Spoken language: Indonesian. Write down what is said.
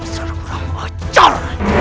seru kurang pecah